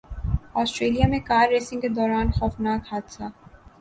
Australia میں car racing کے دوران خوفناک حادثہ